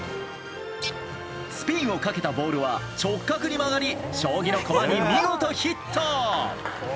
スピンをかけたボールは直角に曲がり将棋の駒に見事ヒット。